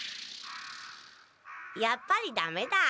やっぱりダメだ。